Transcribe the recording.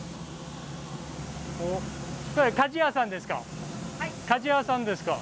鍛冶屋さんですか？